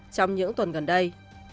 trong những tuần gần đây